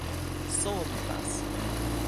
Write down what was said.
solvas